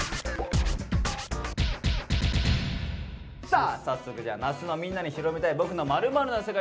さあ早速じゃあ那須の「みんなに広めたい僕の○○な世界」